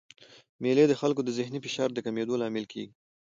مېلې د خلکو د ذهني فشار د کمېدو لامل کېږي.